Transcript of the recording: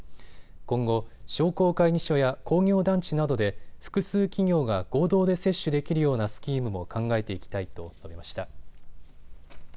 今後、商工会議所や工業団地などで複数企業が合同で接種できるようなスキームも考えていきたいと述べました。